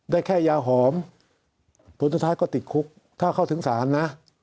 ได้แค่ยาหอมผลสุดท้ายก็ติดคุกถ้าเข้าถึงศาลนะ